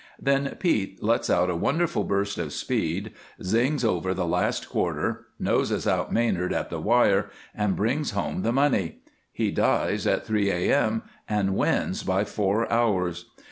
Then Pete lets out a wonderful burst of speed, 'zings' over the last quarter, noses out Manard at the wire, and brings home the money. He dies at 3 A.M. and wins by four hours.